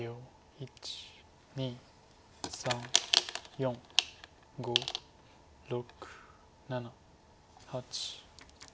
１２３４５６７８。